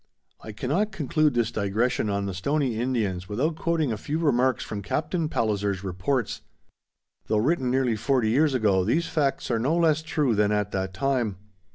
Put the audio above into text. I cannot conclude this digression on the Stoney Indians without quoting a few remarks from Captain Palliser's reports. Though written nearly forty years ago these facts are no less true than at that time.